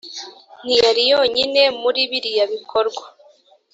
ntiyari yonyine muri biriya bikorwa